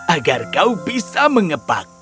agar kau bisa mengepak